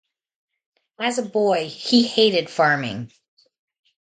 As a boy he hated farming.